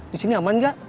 di sini aman gak